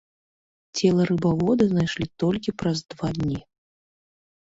Цела рыбавода знайшлі толькі праз два дні.